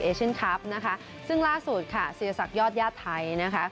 เอเชียนคัปนะคะซึ่งล่าสุดค่ะศรีสักยอดย่าทไทยนะคะ